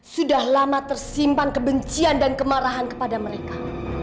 sudah lama tersimpan kebencian dan kemarahan kepada mereka